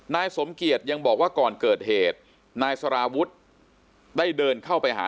นายสมเกียจยังบอกว่าก่อนเกิดเหตุนายสารวุฒิได้เดินเข้าไปหา